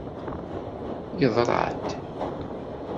Yeḍra-d.